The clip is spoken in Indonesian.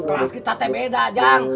kelas kita teh beda aja